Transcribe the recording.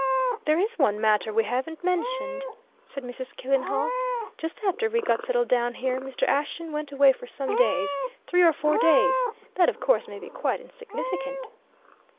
"There is one matter we haven't mentioned," said Mrs. Killenhall. "Just after we got settled down here, Mr. Ashton went away for some days three or four days. That, of course, may be quite insignificant."